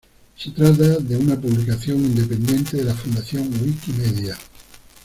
Se trata de una publicación independiente de la Fundación Wikimedia.